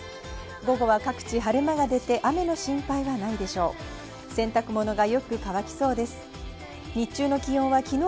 午後は各地晴れ間が出て、雨の心配はないでしょう。